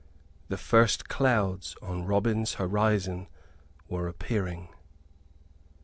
The first clouds on Robin's horizon were appearing.